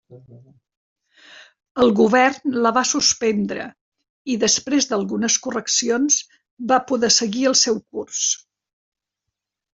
El Govern la va suspendre i, després d'algunes correccions, va poder seguir el seu curs.